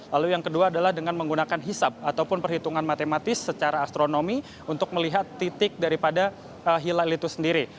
lalu yang kedua adalah dengan menggunakan hisap ataupun perhitungan matematis secara astronomi untuk melihat titik daripada hilal itu sendiri